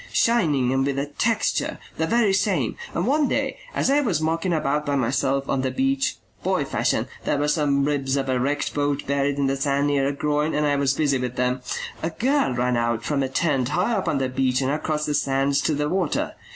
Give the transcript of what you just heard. Shining and with a texture the very same. And one day as I was mucking about by myself on the beach, boy fashion, there were some ribs of a wrecked boat buried in the sand near a groin and I was busy with them a girl ran out from a tent high up on the beach and across the sands to the water.